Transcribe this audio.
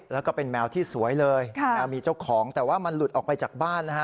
แล้วก็เป็นแมวที่สวยเลยมีเจ้าของแต่ว่ามันหลุดออกไปจากบ้านนะฮะ